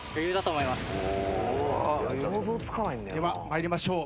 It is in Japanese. では参りましょう。